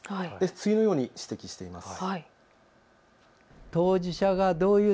次のように指摘しています。